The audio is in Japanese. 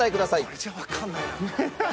これじゃわかんない。